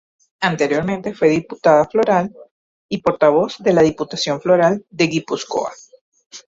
Anteriormente fue Diputada Foral y portavoz de la Diputación Foral de Gipuzkoa.